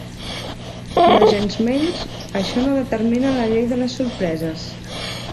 Nogensmenys, això no determina la llei de les sorpreses.